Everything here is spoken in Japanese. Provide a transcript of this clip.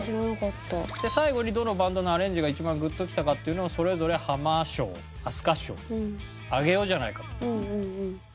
最後にどのバンドのアレンジが一番グッときたかっていうのをそれぞれハマ賞アスカ賞あげようじゃないかと。